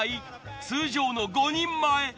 通常の５人前。